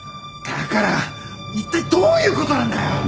だからいったいどういうことなんだよ！？